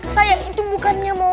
saya itu bukannya mau